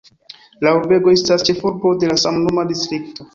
La urbego estas ĉefurbo de la samnoma distrikto.